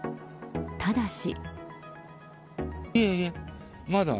ただし。